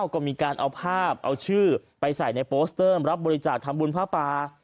ก็มีการเอาภาพเอาชื่อไปใส่ในโปสเตอร์รับบริจาคทำบุญผ้าป่า